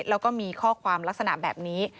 แล้วก็มีข้อความลักษณะแบบนี้